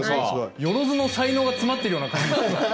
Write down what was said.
萬の才能が詰まってるような感じがします。